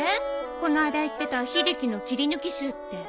この間言ってた秀樹の切り抜き集って。